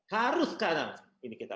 harus sekarang ini kita